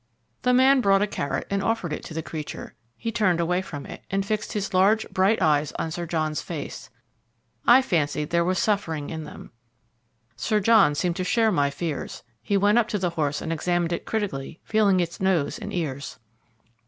The man brought a carrot and offered it to the creature. He turned away from it, and fixed his large, bright eyes on Sir John's face. I fancied there was suffering in them. Sir John seemed to share my fears. He went up to the horse and examined it critically, feeling its nose and ears.